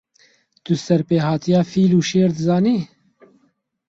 Tu serpêhatiya fîl û şêr dizanî?